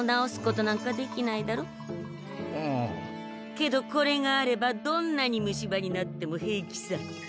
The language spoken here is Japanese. けどこれがあればどんなに虫歯になっても平気さ。